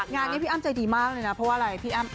งานนี้พี่อ้ำใจดีมากเลยนะเพราะว่าอะไรพี่อ้ำ